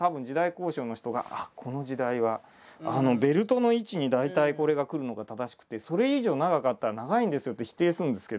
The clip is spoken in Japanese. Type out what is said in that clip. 考証の人がこの時代はベルトの位置に大体これが来るのが正しくてそれ以上長かったら「長いんですよ」と否定するんですけど。